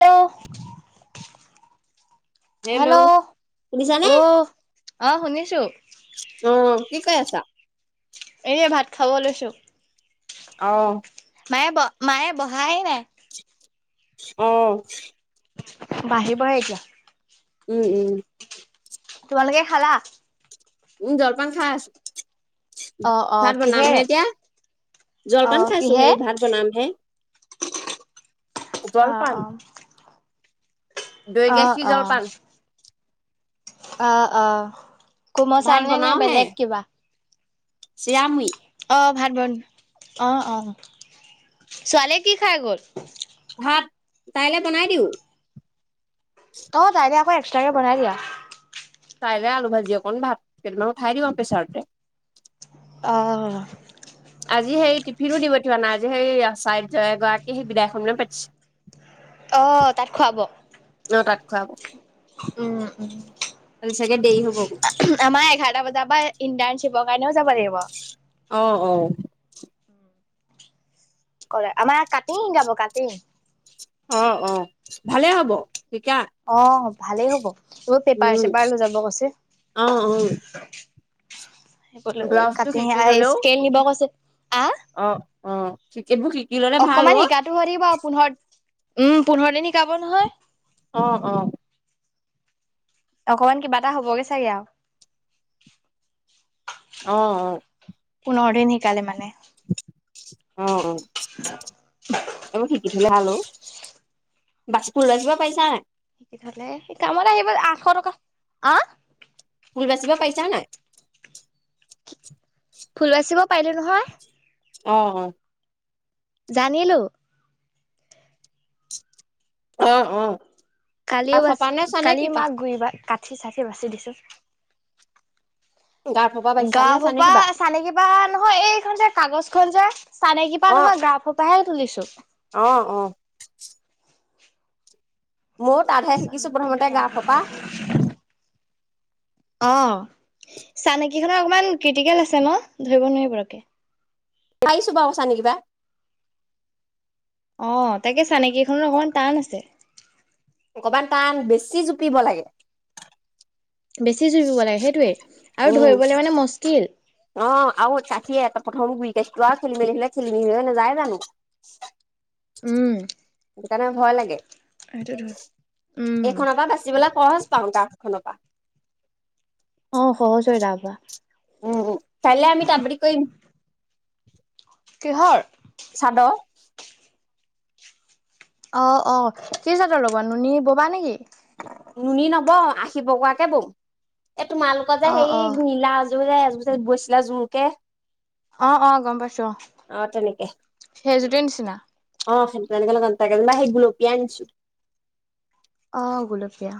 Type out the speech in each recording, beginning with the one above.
Hello. Hello শুনিছানে অ, অহ শুনিছো। অ কি কই আছা। এনে ভাত খাব লৈছোঁ। অহ। মায়ে, ব মায়ে বহাই নাই। অহ। বাঢ়িবহে এতিয়া। উম উম। তোমালোকে খালা? উম জলপান খাই আছো। অ অ ভাত বনামহে কিহেৰে এতিয়া, অ জলপান খাইছো কিহে হেই ভাত বনামহে, অ জলপান। অ দৈ অ গাখীৰ অ জলপান। অ অহ। কোমল চাউল নে নে বেলেগ কিবা? চিয়া মুৰি। অ ভাত বন অ অ ছোৱালীয়ে কি খাই গ'ল? ভাত, তাইলে বনাই দিওঁ। তই তাইলে আকৌ তাকে বনাই দিয়া। তাইলে আলু ভাজি অকণ ভাত কেইটামান উঠাই দিও আৰু প্ৰেছাৰতে। অহ। আজি সেই টিফিনো দি পঠিউৱা নাই, আজি সেই আচাৰ্য এগৰাকী ৰ বিদায়সভা পাতিছে। অহ তাত খুৱাব। খোৱাব । উম উম চাগে দেৰি হ'ব আমাৰ এঘাৰটা বজাৰ পৰা ইন্টাৰ শিৱ কাৰণেও যাব লাগিব। অহ অ। ক'লে আমাক কাটিঙ শিকাব, কাটিঙ। অ অ ভালে হ'ব। শিকা অ ভালেই হ'ব টো পেপাৰ উম চেপাৰ লৈ যাব কৈছে। অ অ সেইবোৰলৈ ব্লাউজটো কাটি শিকি হাই ললেও স্কেল নিব কৈছে। আহ অ অ সি বোৰ সি অকমান শিকাটো হৈ থাকিব পোন্ধৰ - উম পোন্ধৰ দিন শিকাব নহয়। অ অ অকমান কিবা এটা হ'ব গে চাগে আৰু। অ অ নৰ দিন শিকালে মানে। অ অ এইবোৰ শিকি থলে ভালো বাছপুৰ বাচিব পাৰিছা নাই। শিকি থলে কামত আহিব আশ টকা আহ। ফুল বাচিব পাৰিছা নাই। ফুল বাচিব পাৰিলোঁ নহয়। অ অ জানিলোঁ। অ অ কালিও বাছ গাৰফপা নে চানে কালি কিবা মাক ঘুৰিবা কাট [unintelligible] ঠি চাকে বাচি দিছোঁ। গাৰফপা বাচিছা নে গাৰাফ চানে পা কিবা চানেকি পা নহয় এইখন যে কাগজ খন যে চানেকি পা নহয় গাৰাফপাহে তুলিছোঁ। তো অহ অহ ময়ো তাতহে শিকিছোঁ প্ৰথমতে গাৰাফ পা। অ চানকি খনৰ অকমান ক্ৰিটিকেল আছে ন ধৰিব নোৱাৰি পথকে। পাৰিছোঁ বাৰু চানেকি পা অ তাকে চানেকেইখনত অকমান টান আছে অকমান টান বেছি জোপিব লাগে। বেছি জুপিব লাগে সেইটোয়ে উম অ আৰু চাকি অ এখন পঠম গূৰি খাতিলো খেলি মেলি হ'লে খুলি দিব মন‌ নাজায় জানু। উম সেইটো কাৰণে ভয় লাগে। উম এইখনৰ পৰা বাচিবলৈ খৰচ। পাওঁ গাফ খন পৰা। অ সহজ হৈ পৰা। উম উ কাইলে আমি তাৰাপৰি কৰিম? কিহৰ। চাদৰ অ অ কি জাত ৰ'ব নুনী ববা নেকি? নুনি নব আহিব কোৱাকে বৌ। এ তোমালোকৰ যে অ সেই অ নীলাজ। এ তুমিছে এযোৰ বৈছিলা জোৰকে। অ অ গম পাইছো অ সেইজোৰ নিচিনা। ন সেই গুলপিয়া আনিছো? অ গুলপীয়া।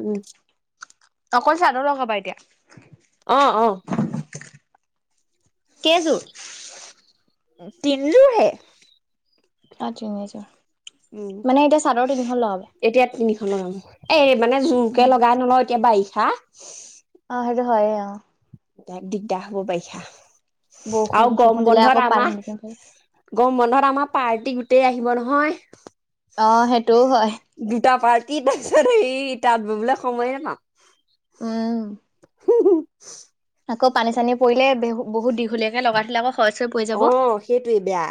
উম অকল চাদৰ লগাবা এতিয়া। অ অ কেযোৰ। তিন লো হে অ তুমিয়েই যোৱা। উম এতিয়া তিনিখনৰ লগাম এ মানে জোৰকে লগাই নলও এতিয়া বাই হা অ সেইটো হয় এই অ এই দিকদা হ'ব বাৰিষা আৰু বৰষুণ চৰষুণ দিলে আকৌ পানী বাহে গম বন্ধত আমাৰ পাৰ্টি গোটেই আহিব নহয় । অ সেইটোও হয় । কি তাৰ পিছত হেয়ি তাত ববলে সময়ে নাপাওঁ। উম [unintelligible] আকৌ পানী চানী পৰিলে বহু বহুত দীঘলীয়াকে লগাই থলে আকৌ খৰচ হৈ পৰি যাব। অ সেইটোৱে বেয়া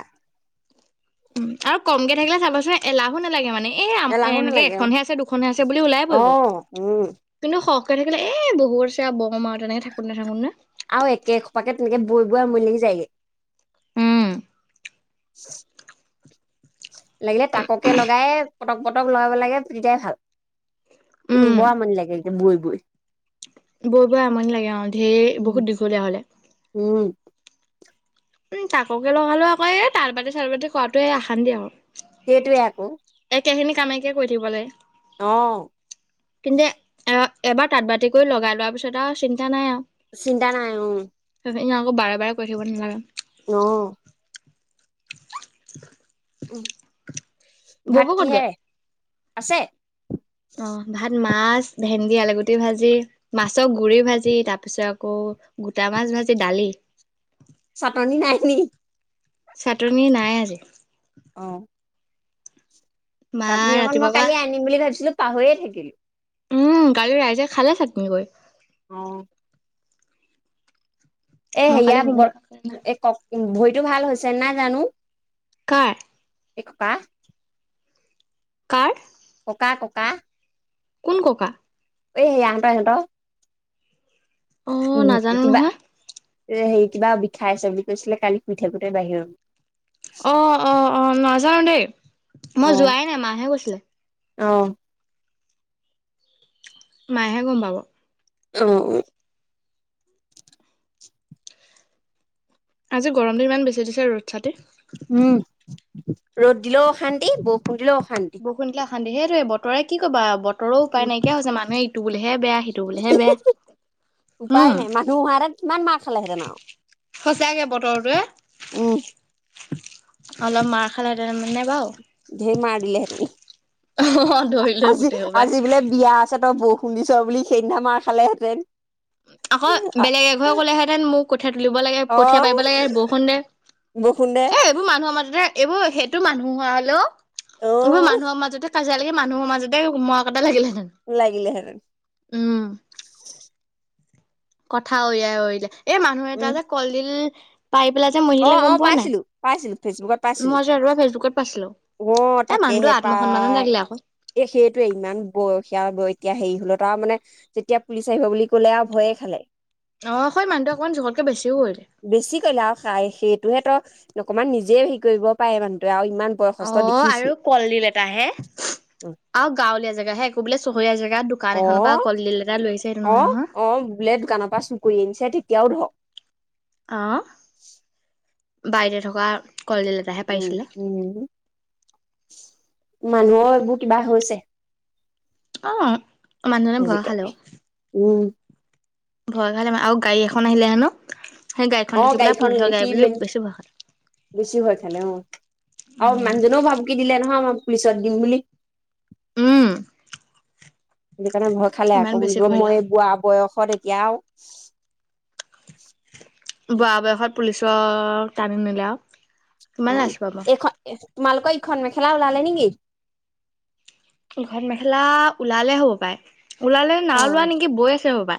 উম আৰু কমকে থাকিলে চাবচোন এলাহো নালাগে মানে এ এলাহো এনেকে নালাগে অ এখনহে আছে দুখনহে আছে বুলি ওলাই পৰিব অ', উম, কিন্তু [unintelligible] নে থাকো নে। আৰু একে সোপাকে তুমি বৈ। পুৰা মিলি যায় গে। উম [unintelligible] [unintelligible] [unintelligible] [unintelligible] লাগিলে তাককে লগাই? পটক পটক লগাব লাগে তেতিয়াই ভাল। উম ব আমনি লাগে? এ, বৈ বৈ। বৈ বৈ আমনি লাগে অ ঢেৰ উম। বহুত দীঘলীয়া হলে । উম, উম, তাককে লগালো আকৌ এই তাতবাতি চাতবাদি কৰাটোৱে আশান্তিয়ে আৰু। সেইটোৱে আকৌ। একেখিনি কামকে কৰি থাকিব লাগে। অ', তুমি আহ [unintelligible] এবাৰ তাঁত বাতি কৰি লগাই লোৱাৰ পিছত আৰু চিন্তা নাই আৰু। চিন্তা নাই। আকৌ বাৰে বাৰে ক থাকিব নালাগে। আহ। [inaudible] উম। বব ভাত কি ক'ত গ'ল? হে? আছে। অ ভাত মা। মাছ, ভেন্দি আলুগুটি ভাজি মাছৰ গুৰি ভাজি তাৰ পিছত আকৌ গোটা মাছ ভাজি দালি। চাটনি নাই নি? চাটনি নাই আজি। অ'। মা চাটনি অকন মই ৰাতিপুৱা পৰা কালি আনিম বুলি ভাবিছিলো। পাহ হৈয়ে থাকিলো। উম গালি ৰাইজে খালে চাকমি গৈ [unintelligible] অঁ। এ মই সেয়া কালি বৰ সোমবাৰ এ কক বত [unintelligible] এইটো ভাল হৈছে না জানো। কাৰ? এক পা। কাৰ? ককা ককা। কোন, ককা? এ এট এট [unintelligible] অ, নাজানো নহয়। এ, হেৰি কিবা বিষাই আছে বুলি কৈছিলে কালি শুই থাকোতে বাহিৰ। অ অ অ, নযানু দেই মই যোৱাই নাই মাহাহে কৈছিলে। আহ। মায়েহে গম পাব, অ অ, আজি গৰম দিন ইমান বেছি দিছে ৰ'দ ছাতি। উম। ৰ'দ দিলেও অশান্তি বৰষুণ। দিলেও অশান্তি। বৰষুণ দিলে সেইটোৱে বতৰে কি ক'বা বত ৰো উপায় উম নাইকিয়া হৈছে মানুহে বুলিহে বেয়া সিটো বুলিহে বেয়া উপায় উম নাই মানুহ হোৱা হেতেন কিমান মা খালেহেঁতেন আৰু সঁচাকে বতৰটোৱে উম। অলপ মাৰ খালে তাৰমানে বাৰু। ধেৰ মাৰ দিলে হেতেন। অ ধৰি লৈ আজি গোটেই সোপাই। আজি বোলে বিয়া আছে তই পুহ শুনিছ বুলি সেইদিনা মাৰ খালেহেঁতেন! আকৌ বেলেগ এঘৰে কলেহেঁতেন মোক কঠিয়া তুলিব লাগে অ কঠিয়া পাৰিব লাগে বৰষুণ দে বৰষুণ দে এ এইবোৰ মানুহৰ মাজতে এইবোৰ সেইটো মানুহ হোৱা অ হলেও মানুহৰ মাজতে কা তিলৈকে মানুহ মাজতে কুমুৱা কটা লাগিলে লাগিলে হেতেন। কথা উয়াই ওয়াই। এই মানুহ এটা উম যে কলডিল পাৰি পেলাই যে অ মৰিলে অ গম পোৱা নাই? পাইছিলো পাইছিলো ফেচবুকত পাইছিলো মই যে ৰাতিপুৱা ফেচবুকত পাইছিলো। অ এ মানুহটো তাকেহে আত্মসন্মানত পাই লাগিলে আকৌ। এ সেইটোৱে ইমান বয়সীয়া ব তেতিয়া হেৰি হলত আৰু মানে যেতিয়া পুলিচ আহিব বুলি কলে আৰু ভয়ে খালে। অ হয় মানুহটো অকমান জোখতকে বেছিও কৰিলে। বেছি কৰিলে আৰু খাই সেইটোহে তো অকমান নিজে হেৰি কৰিব পাৰে মানুহটে আৰু ইমান অ বয়সস্থ দেখিছি আৰু কলডিল এটা হে আৰু গাঁৱলীয়া জেগা হে একো বোলে চহৰীয়া যে - দোকান অ এখনৰ বা কলডিল এটা লৈছে অ অ বোলে দোকানৰ পৰা চু কৰি আনিছে তেতিয়া ধ আহ [unintelligible] থকা কলডিল এটাহে উ পাৰিছিলে। উ মানুহৰ এইবোৰ কিবা হৈছে। অ মানুহজনে ভয় আজিকাল খালে অ', উম ভয় খালে আৰু গাড়ী এখন আহিলে হেনো। সেই অ দেখি পেলাই গাড়ীখন পুলিচৰ গাড়ী দেখি বুলি মেইন বেছি ভয় খালে। বেছি ভয় খালে অ আৰু মানুহজনেও ভাবকি দিলে নহয় পুলিছত দিম বুলি। উম সেকাৰণে ভয় খালে ইমান আকৌ বেছি বিব কৰিলে মই এই আৰু। বোৱা বয়সত য়াওক বোৱা বয়খত পুলিছ তান নিল অ এখ [unintelligible] তোমালোক এইখন মেখেলা ওলালে নেকি? ঘৰ মেখেলা ওলালে হ'ব পায় ওলালে অ নাওোৱা নেকি বৈ আছে ৰবা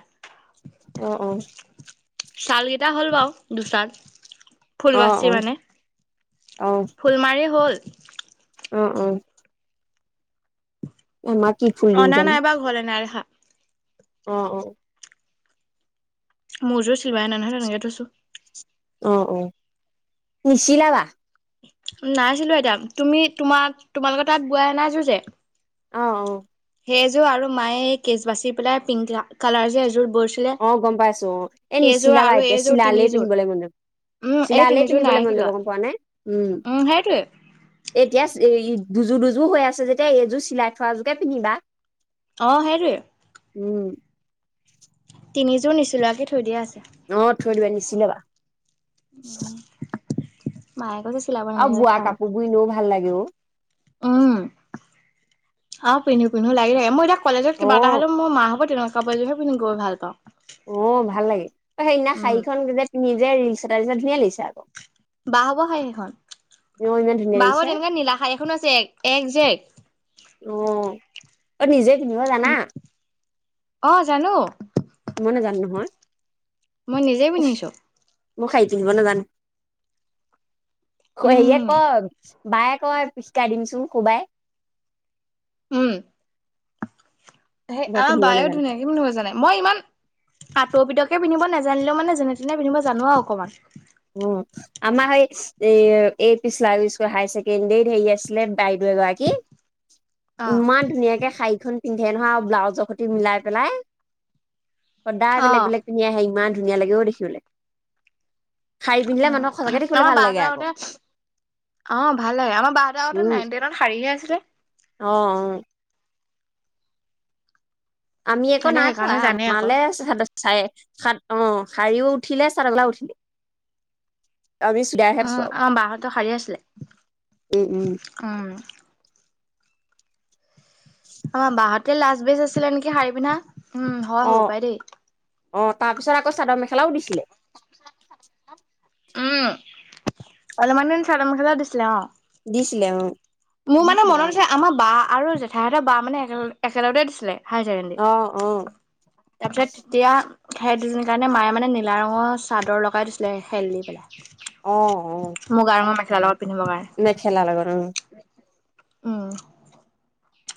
অ অ ছালকেইটা হ'ল বাও দুচাত ফুল অ বাচি মানে অ অ ফুল মাৰি হ'ল [unintelligible] অ অ মা কি ফুললিম জানি সা অ অ মোৰযোৰ চিলাই ন নহয় তেনেকে থৈছো । অ অ নিচ লাবা নাইছিলো এইতয়া তুমি তোমাৰ তোমালোকৰ তাত বুৱা এ নাইছো যে অ অ সেই এযোৰ আৰু মায়ে এই কেচ বাচি পেলাই পিংক কালাৰযোৰ এযোৰ বৈছিলে অ গম পাইছো অ এ সেইযোৰ নিচিলাবা আৰু এতিয়া এইযোৰ চিলালেই তিনিযোৰ পিন্ধিবলৈ মন যাব উম এই চিলালেই তিনিযোৰ পিন্ধিবলৈ নাই মন যাব চিলোৱা গম পোৱা নাই উম এ এতিয়া দুযো দুযো হৈ আছে যেতিয়া এইযোৰ চিলাই থোৱাযোৰোকে পিন্ধিবা অ হেৰি উম । তিনিযোৰ নিচোাকৈ থৈ দিয়া আছে অ থৈ দিব নি চিল বা উম মাই আৰু বোৱা কাপোৰ বুই এনেও ভাল ভাল লাগে অ । উম অ পিন্ধো পিন্ধো লাগি আৰু মই এতিয়া কলেজত অ কা এটা হ'লে মা হ'বনেকা কাপোৰযোৰে পিন্ধি গৈ ভাল পাওঁ অ ভাল লাগে সেইদিনা উম শাৰীখন যে ৰিলচ তাৰ পিত ধুনীয়া লাগিছে আকৌ বাঁহবৰ খাই সেইখন অ', ইমান ধুনীয়া বাঁহৰ লাগিছে তেনেকুৱা নীলা খাই এখন আছে এক এক জে অ', এক নিজে নিব জানা? অ জানো। মই নাজানো নহয়। মই নিজেই পিন্ধিছো। মোক সাৰি পিন্ধিব নাজানো। [unintelligible] উম বায়ে কয় পিচকাই দিমচো কোবাই। উম। হেই মই আমাৰ পিন্ধিব বায়ো নাজানো শাৰী। ধুনীয়াকে পিন্ধিব জানে। মই ইমান আঁতৌ পিটৌকে পিন্ধিব নেজানিলেও মানে যেনে তেনে পিন্ধিব জানো আৰু অকমান। উম, আমাৰ সেই এই পিছলা স্কুল হায় ছেকেণ্ডৰীত হেৰি আছিলে বাইদেউ এগৰাকী অ ইমান ধুনীয়াকে সাইখন পিন্ধে ধেন নহয় ব্লাউজৰ সতি মিলাই পেলাই। সদায় অ বেলেগ বেলেগ পিন্ধি আহে ইমান ধুনীয়া লাগে অ দেখিবলে। আমাৰ বা হতৰ আকৌ আগতে, অ ভাল লাগে, আমাৰ বাহ হতৰ আগতে উম, নাইন টেনত শাৰীহে আছিলে। অ', অ'। আমি আকো সিহঁতে নাই পোৱা সেইকাৰণে জানে আকৌ আমালে চাদ অ শাৰীও উঠিলে, চাদৰ সেলাও উঠিলে। আমি চুইদাৰহে আছো উম আৰু আমাৰ বা হতৰ শাৰী উম উম আছিলে, উম। আমাৰ বা হত টোয়ে লাষ্ট বেস্ট আছিলে নিকি শাৰী পিন্ধা। উম হয় অ হ'ব পাই দেই অ তাৰপিছত আকৌ চাদৰ মেখেলাও দিছে লে। উম অলপমান দিন চাদৰ মখেলাও দিছিলে অ। দিছিলে অ মোৰ মানে মনত আছে আমাৰ বা আৰু জেঠাইহঁতৰ বা মানে একেলগে একেলগতে দিছিলে। হায়াৰ অ অ ছেকেণ্ডাৰী, তাৰপিছত তেতিয়া সেই দুজনী কাৰণে মায়ে মানে নীলা ৰঙৰ চাদৰ লগাই দিছিলে খেল দি পেলাই। অ অ। [unintelligible] মেখেলা লগত অ। উম।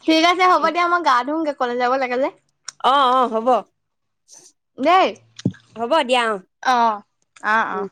ঠিক আছে হ'ব দিয়া মই গা ধুওঁ গে কলেজ যাব লাগে যে। অ অ হ'ব। দেই হ'ব দিয়া অ। অ অ অ উম